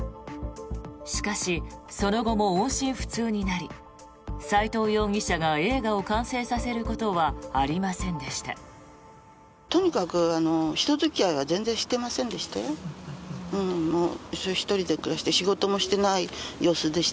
しかし、その後も音信不通になり斎藤容疑者が映画を完成させることはありませんでした。